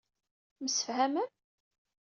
Temsefhamem.